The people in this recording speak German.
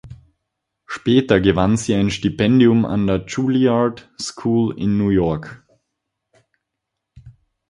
Später gewann sie ein Stipendium an der Juilliard School in New York.